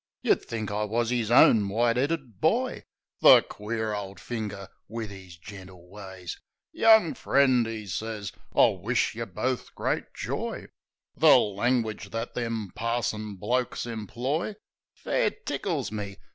Yeh'd think I wus 'is own white 'eaded boy — The queer ole finger, wiv 'is gentle ways. "Young friend," 'e sez, "I wish't yeh bofe great joy." The langwidge that them parson blokes imploy Fair tickles me.